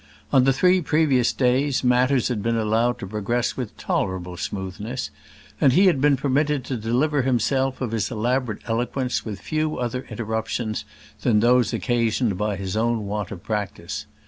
On the three previous days matters had been allowed to progress with tolerable smoothness, and he had been permitted to deliver himself of his elaborate eloquence with few other interruptions than those occasioned by his own want of practice.